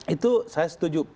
itu saya setuju